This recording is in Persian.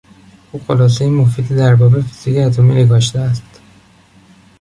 او خلاصهی مفیدی در باب فیزیک اتمی نگاشته است.